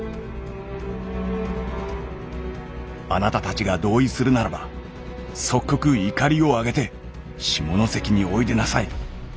「あなたたちが同意するならば即刻碇を揚げて下関においでなさい」。